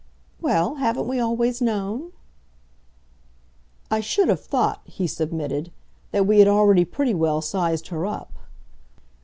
"Well, haven't we always known ?" "I should have thought," he submitted, "that we had already pretty well sized her up."